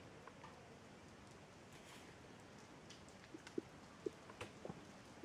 দরজাটা কি খুলতে পারবে প্লিজ?